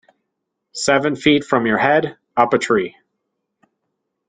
Seven feet from your head, up a tree.